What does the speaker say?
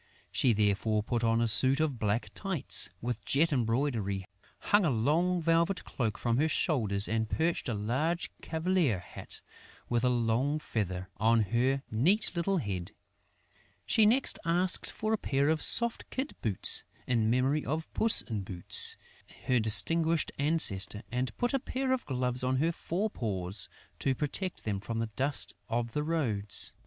She therefore put on a suit of black tights, with jet embroidery, hung a long velvet cloak from her shoulders and perched a large cavalier hat, with a long feather, on her neat little head. She next asked for a pair of soft kid boots, in memory of Puss in Boots, her distinguished ancestor, and put a pair of gloves on her fore paws, to protect them from the dust of the roads.